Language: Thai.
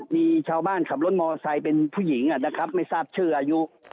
มีชาวบ้านขับรถมอเตอร์ไซค์เป็นผู้หญิงนะครับไม่ทราบชื่ออายุ